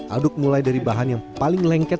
aduk mulai dari bahan yang paling lengket